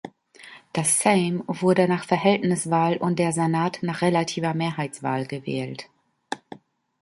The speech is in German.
Das Sejm wurde nach Verhältniswahl und der Senat nach relativer Mehrheitswahl gewählt.